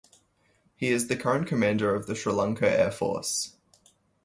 He is the current Commander of the Sri Lanka Air Force.